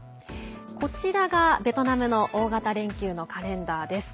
こちらがベトナムの大型連休のカレンダーです。